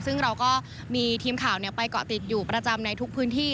ซึ่งเราก็มีทีมข่าวไปเกาะติดอยู่ประจำในทุกพื้นที่